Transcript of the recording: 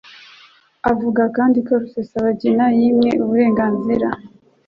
Avuga kandi ko Rusesabagina yimwe uburenganzira